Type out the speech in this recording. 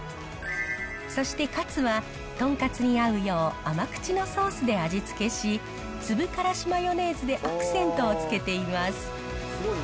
そして、カツはとんかつに合うよう、甘口のソースで味付けし、粒からしマヨネーズでアクセントをつけています。